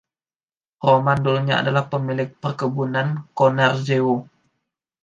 Roman dulunya adalah pemilik perkebunan Konarzewo.